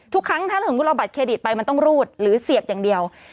ทุกครั้งถ้าสมมุติเราบัตรเครดิตไปมันต้องรูดหรือเสียบอย่างเดียว